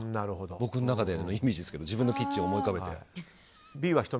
僕の中でのイメージですけど自分のキッチンを思い浮かべて。